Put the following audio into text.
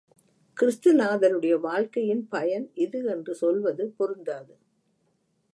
கிறிஸ்துநாதருடைய வாழ்கையின் பயன் இது என்று சொல்வது பொருந்தாது.